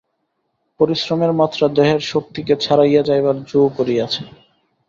পরিশ্রমের মাত্রা দেহের শক্তিকে ছাড়াইয়া যাইবার জো করিয়াছে।